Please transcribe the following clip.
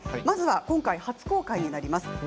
まずは今回、初公開になります